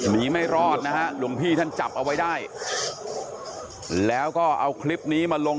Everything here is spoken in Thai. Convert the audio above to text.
ไม่รอดนะฮะหลวงพี่ท่านจับเอาไว้ได้แล้วก็เอาคลิปนี้มาลง